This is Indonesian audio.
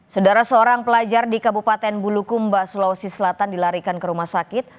saudara seorang pelajar di kabupaten bulukumba sulawesi selatan dilarikan ke rumah sakit